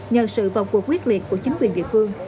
nhờ sự vào cuộc quyết liệt của chính quyền địa phương